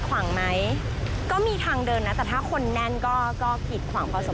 ก็เหมือนเป็นรถเข็นค่ะ